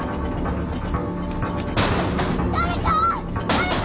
誰か！